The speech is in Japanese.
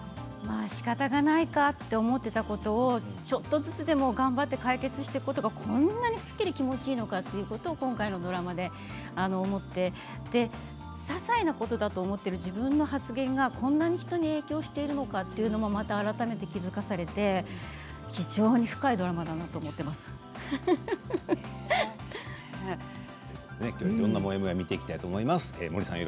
しかたがないかと思っていたことをちょっとずつでも頑張って解決していくことが、こんなにすっきり気持ちいいのかということを今回のドラマで思ってささいなことだと思っている自分の発言がこんなに人に影響しているのかというのもまた改めて気付かされて非常に深いドラマだなきょうはいろんなモヤモヤ